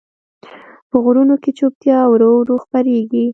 په غرونو کې چوپتیا ورو ورو خپرېږي.